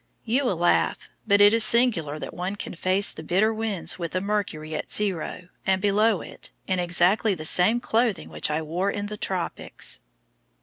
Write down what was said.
You will laugh, but it is singular that one can face the bitter winds with the mercury at zero and below it, in exactly the same clothing which I wore in the tropics!